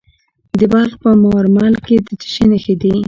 د بلخ په مارمل کې د څه شي نښې دي؟